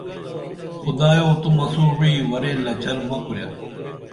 خدایو تو مسوں وعی ورے لچر مہ کُرے